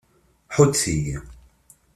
Ḥuddet-iyi!